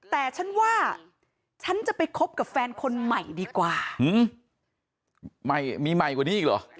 แต่ฉันว่าฉันจะไปคบกับแฟนคนใหม่ดีกว่าอืมไม่มีใหม่กว่านี้อีกเหรอ